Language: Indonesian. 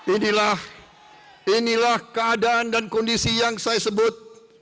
ini adalah keadaan dan kondisi yang saya sebut